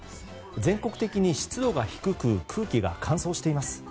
全国的に湿度が低く空気が乾燥しています。